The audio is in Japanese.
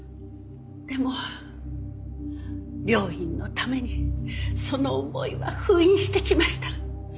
でも病院のためにその思いは封印してきました。